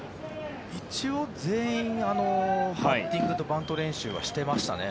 一応、全員バッティングとバント練習はしてましたね。